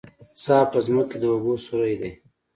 څا په ځمکه کې د اوبو سوری دی